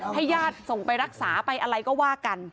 ให้ญาติส่งไปรักษาไปอะไรก็ว่ากัน